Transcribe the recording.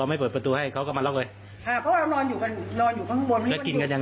ไม่มีอะไรกลิ่นขึ้นในบ้านแต่ว่าเพราะเอิญมีธุระนอกบ้านกัน